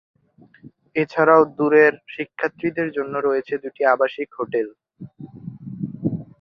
এছাড়াও দূরের শিক্ষার্থীদের জন্য রয়েছে দুইটি আবাসিক হোস্টেল।